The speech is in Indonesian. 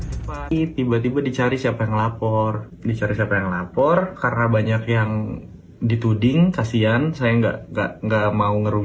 husein mengatakan bahwa dia tidak bisa membayar uang untuk kepentingan acara latihan dasar guru muda